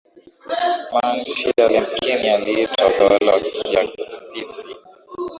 maandishi ya lemkin yaliitwa utawala wa kiaksisi